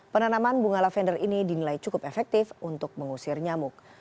penanaman bunga lavender ini dinilai cukup efektif untuk mengusir nyamuk